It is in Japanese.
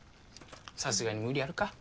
さすがに無理あるか。